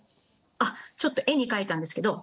あっちょっと絵に描いたんですけど。